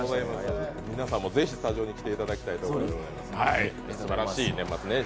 皆さんもぜひスタジオに来ていただきたいと思います。